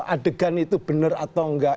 adegan itu benar atau enggak